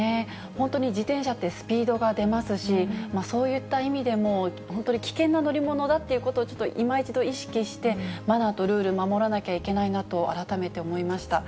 本当に自転車ってスピードが出ますし、そういった意味でも本当に危険な乗り物だということをちょっといま一度意識して、マナーとルール、守らなきゃいけないなと改めて思いました。